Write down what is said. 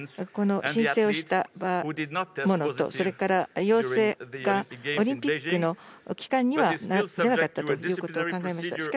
この申請をしたものと、それから陽性が、オリンピックの期間には出なかったということを考えました。